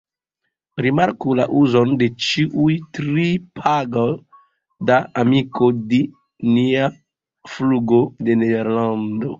Rimarku la uzon de ĉiuj tri: "pago da amiko di nia flugo de Nederlando".